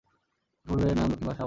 এর পূর্বের নাম দক্ষিণ শাহবাজপুর।